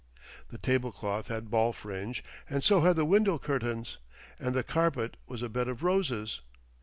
The table cloth had ball fringe and so had the window curtains, and the carpet was a bed of roses.